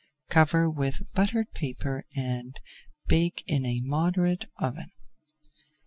Cover with buttered paper and bake in a moderate oven.